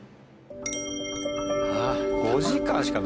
あっ５時間しかないよ。